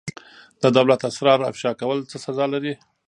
د دولت اسرار افشا کول څه سزا لري؟